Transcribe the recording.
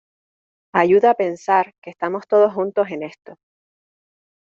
ayuda pensar que estamos todos juntos en esto